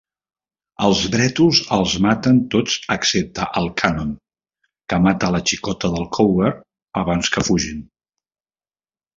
Els brètols els maten tots excepte el Cannon, que mata la xicota del Cougar abans que fugin.